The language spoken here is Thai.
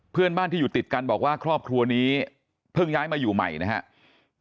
เพื่อนบ้านที่อยู่ติดกันบอกว่าครอบครัวนี้เพิ่งย้ายมาอยู่ใหม่นะครับ